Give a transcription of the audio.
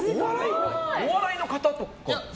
お笑いの方とかですか？